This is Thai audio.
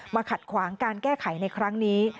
ขัดขวางการแก้ไขในครั้งนี้